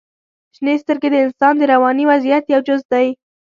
• شنې سترګې د انسان د رواني وضعیت یو جز دی.